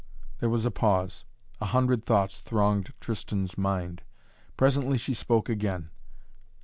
There was a pause. A hundred thoughts thronged Tristan's mind. Presently she spoke again.